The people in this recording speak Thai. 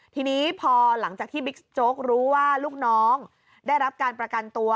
ทีนี้พอหลังจากที่บิ๊กโจ๊กรู้ว่าลูกน้องได้รับการประกันตัว